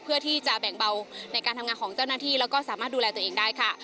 เพื่อที่จะแบ่งเบาในการทำงานของเจ้าหน้าที่แล้วก็สามารถดูแลตัวเองได้ค่ะ